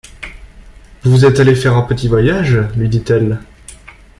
Vous êtes allé faire un petit voyage? lui dit-elle.